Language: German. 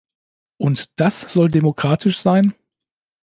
Und das soll demokratisch sein?